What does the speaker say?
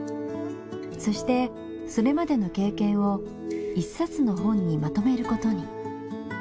そしてそれまでの経験を１冊の本にまとめることに。